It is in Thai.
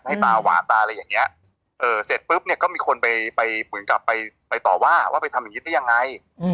ตาหวานตาอะไรอย่างนี้เสร็จปุ๊บเนี่ยก็มีคนไปเหมือนกับไปต่อว่าว่าไปทำอย่างนี้ได้ยังไง